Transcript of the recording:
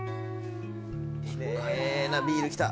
奇麗なビール来た。